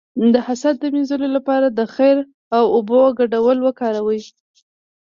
د حسد د مینځلو لپاره د خیر او اوبو ګډول وکاروئ